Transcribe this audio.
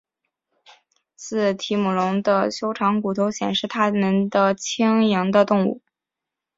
似提姆龙的修长骨头显示它们的轻盈的动物。